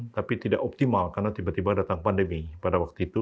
tapi tidak optimal karena tiba tiba datang pandemi pada waktu itu